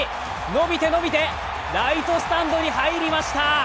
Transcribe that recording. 伸びて伸びてライトスタンドに入りました。